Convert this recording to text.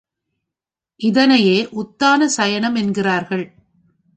இதனையே உத்தான சயனம் என்கிறார்கள்.